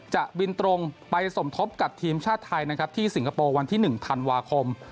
จะบินตรงไปสมทบกับทีมชาติไทยนะครับที่สิงคโปร์วันที่๑ธันวาคม